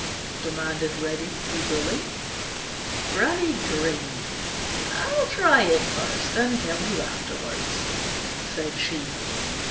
demanded Reddy eagerly. Granny grinned. "I'll try it first and tell you afterwards," said she.